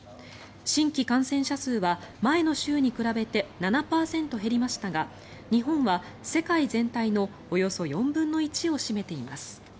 新規感染者数は前の週に比べて７％減りましたが日本は世界全体のおよそ４分の１を占めています。